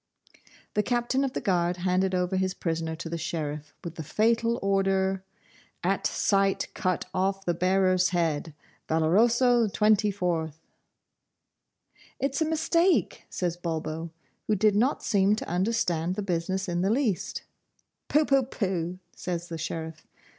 The Captain of the Guard handed over his prisoner to the Sheriff, with the fatal order, 'AT SIGHT CUT OFF THE BEARER'S HEAD. 'VALOROSO XXIV.' 'It's a mistake,' says Bulbo, who did not seem to understand the business in the least. 'Poo poo pooh,' says the Sheriff.